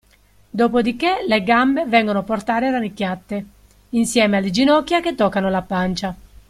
Dopodiché le gambe vengono portare rannicchiate, insieme alle ginocchia che toccano la pancia.